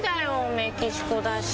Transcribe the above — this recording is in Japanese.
メキシコだし。